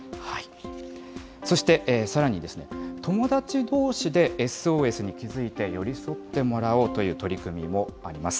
そして、さらに、友達どうしでＳＯＳに気付いて寄り添ってもらおうという取り組みもあります。